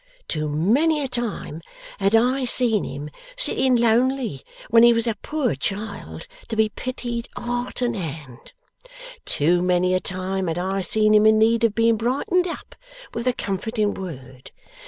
Too many a time had I seen him sitting lonely, when he was a poor child, to be pitied, heart and hand! Too many a time had I seen him in need of being brightened up with a comforting word!